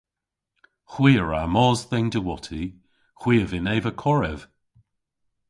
Hwi a wra mos dhe'n diwotti. Hwi a vynn eva korev.